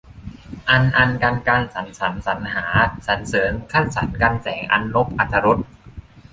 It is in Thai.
อัน อรร กัน กรร สัน สรร สรรหา สรรเสริญ คัดสรร กรรแสง อรรณพ อรรถรส